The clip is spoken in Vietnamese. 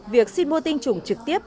việc xin mua tinh trùng trực tiếp